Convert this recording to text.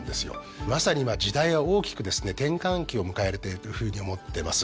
まさに今時代が大きくですね転換期を迎えてるふうに思ってます。